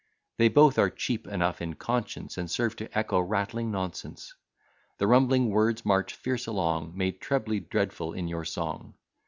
They both are cheap enough in conscience, And serve to echo rattling nonsense. The rumbling words march fierce along, Made trebly dreadful in your song.